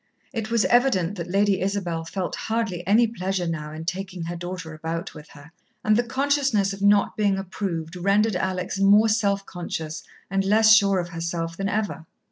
It was evident that Lady Isabel felt hardly any pleasure now in taking her daughter about with her, and the consciousness of not being approved rendered Alex more self conscious and less sure of herself than ever.